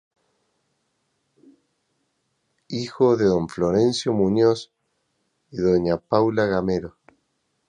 Hijo de don Florencio Muñoz y doña Paula Gamero.